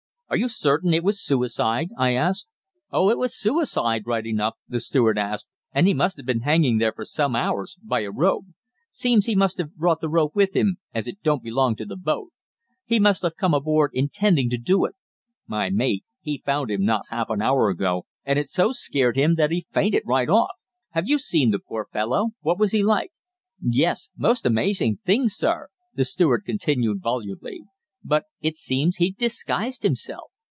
"Are you certain it was suicide?" I asked. "Oh, it was suicide right enough," the steward answered, "and he must have been hanging there some hours by a rope. Seems he must have brought the rope with him, as it don't belong to the boat. He must have come aboard intending to do it. My mate he found him not half an hour ago, and it so scared him that he fainted right off." "Have you seen the poor fellow? What was he like?" "Yes. Most amazing thing, sir," the steward continued volubly, "but it seems he'd disguised himself.